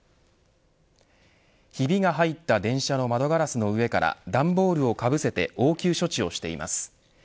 ひびが入った電車の窓ガラスの上から段ボールをかぶせて応急処置をしています。